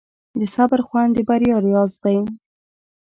د صبر خوند د بریا راز دی.